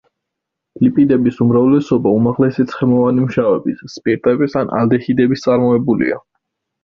ლიპიდების უმრავლესობა უმაღლესი ცხიმოვანი მჟავების, სპირტების ან ალდეჰიდების წარმოებულია.